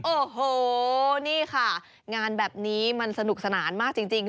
โอ้โหนี่ค่ะงานแบบนี้มันสนุกสนานมากจริง